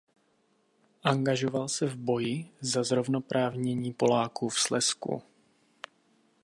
Angažoval se v boji za zrovnoprávnění Poláků v Slezsku.